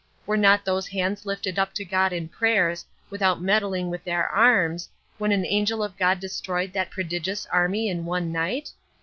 were not those hands lifted up to God in prayers, without meddling with their arms, when an angel of God destroyed that prodigious army in one night?